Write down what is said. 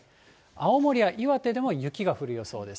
青森や岩手でも雪が降る予想です。